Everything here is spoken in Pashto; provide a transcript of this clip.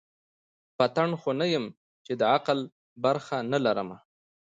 پتڼ خو نه یم چي د عقل برخه نه لرمه